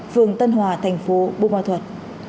vườn tân hòa thành phố bù ma thuật